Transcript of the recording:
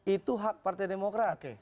itu hak partai demokrat